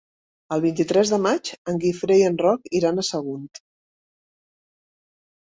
El vint-i-tres de maig en Guifré i en Roc iran a Sagunt.